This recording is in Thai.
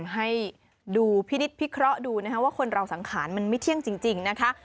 ให้ดูพินิษฐพิเคราะห์ดูนะคะว่าคนเราสังขารมันไม่เที่ยงจริงนะคะ